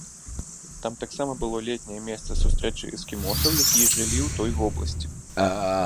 Там таксама было летняе месца сустрэчы эскімосаў, якія жылі ў той вобласці.